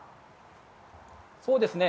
そうですね。